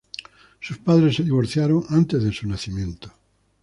Sus padres se divorciaron antes de su nacimiento.